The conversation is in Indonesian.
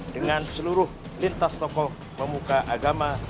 dengan seluruh lintas tokoh pemuka agama